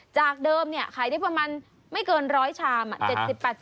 จากเดิมเนี่ยขายได้ประมาณไม่เกิน๑๐๐ชาม